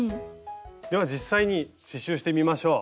では実際に刺しゅうしてみましょう。